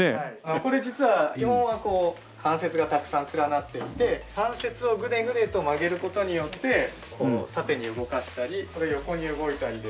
これ実は基本はこう関節がたくさん連なっていて関節をグネグネと曲げる事によって縦に動かしたり横に動いたりですとか。